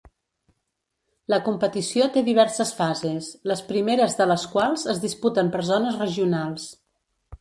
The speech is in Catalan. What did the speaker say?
La competició té diverses fases, les primeres de les quals es disputen per zones regionals.